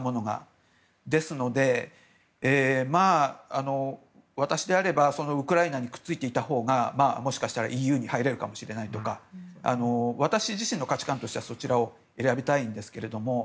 ですので、私であればウクライナにくっついていたほうがもしかしたらＥＵに入れるかもしれないとか私自身の価値観とすればそちらを選びたいんですけど。